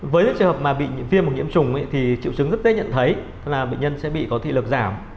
với những trường hợp mà bị viêm nhiễm trùng thì triệu chứng rất dễ nhận thấy là bệnh nhân sẽ bị có thị lực giảm